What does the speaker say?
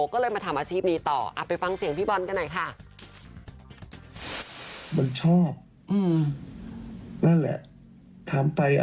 ก็เลยมาทำอาชีพนี้ต่อไปฟังเสียงพี่บอลกันหน่อยค่ะ